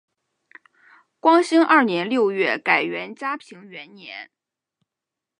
光兴二年六月改元嘉平元年。